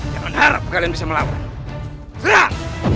jangan harap kalian bisa melawan gerak